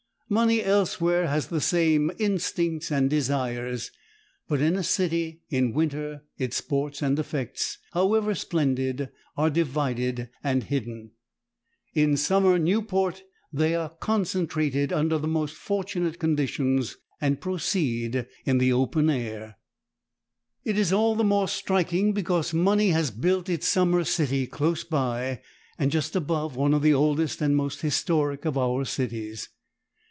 Money elsewhere has the same instincts and desires. But in a city, in winter, its sports and effects, however splendid, are divided and hidden. In summer Newport they are concentrated under most fortunate conditions and proceed in the open air. It is all the more striking because money has built its summer city close by and just above one of the oldest and most historic of our cities.